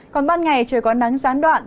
còn ban ngày trời có nắng gián đoạn